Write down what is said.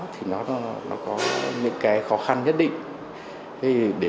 thì nó có những cái khó khăn nhất định